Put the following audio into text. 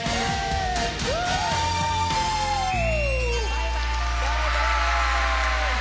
バイバーイ！